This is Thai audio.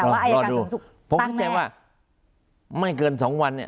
รอดูผมคิดใจว่าไม่เกิน๒วัน